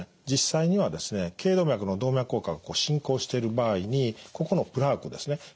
実際にはですね頸動脈の動脈硬化が進行している場合にここのプラークですね